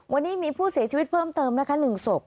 วันนี้มีผู้เสียชีวิตเพิ่มเติมนะคะ๑ศพ